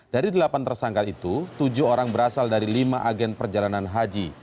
dari delapan tersangka itu tujuh orang berasal dari lima agen perjalanan haji